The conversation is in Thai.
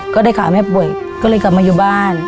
ก็ได้ขาแม่ป่วยก็เลยกลับมาอยู่บ้าน